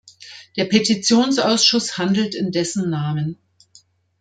Der Petitionsausschuss handelt in dessen Namen.